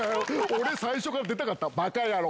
俺、最初から出たかった、ばか野郎。